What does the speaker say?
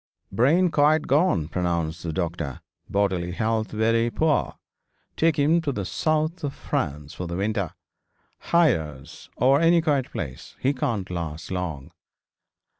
'Brain quite gone,' pronounced the doctor, 'bodily health very poor. Take him to the South of France for the winter Hyères, or any quiet place. He can't last long.'